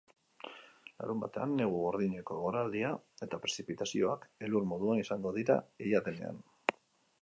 Larunbatean, negu gordineko eguraldia eta prezipitazioak elur moduan izango dira ia denean.